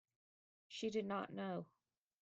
She did not know.